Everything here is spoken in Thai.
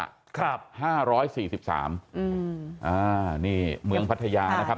อันนี้หนายกเมืองภัทยานะครับ